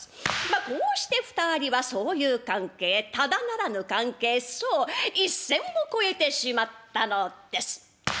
まあこうして２人はそういう関係ただならぬ関係そう一線を越えてしまったのです。